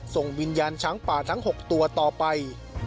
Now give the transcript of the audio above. ส่งวิญญาณช้างป่าทั้ง๖ตัวต่อไป